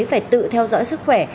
phải tự theo dõi sức khỏe